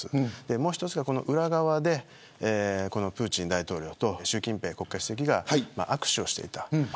もう一つ、この裏側でプーチン大統領と習近平国家主席が握手をしていた。